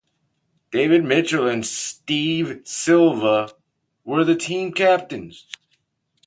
David Mitchell and Steve Silva were the team captains.